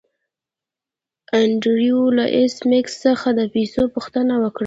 انډریو له ایس میکس څخه د پیسو پوښتنه وکړه